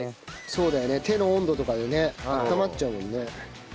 そうだよね手の温度とかでねあったまっちゃうもんね。